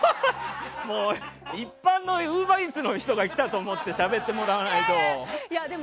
一般のウーバーイーツの人が来たと思ってしゃべってもらわないと。